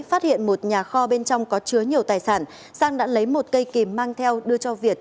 phát hiện một nhà kho bên trong có chứa nhiều tài sản sang đã lấy một cây kìm mang theo đưa cho việt